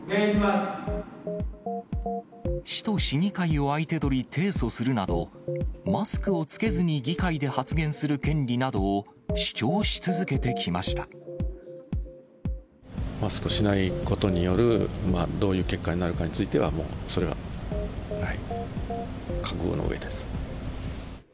市と市議会を相手取り、提訴するなど、マスクをつけずに議会で発言する権利などを、主張し続けてきましマスクをしないことによる、どういう結果になるかについては、もう、それは覚悟の上です。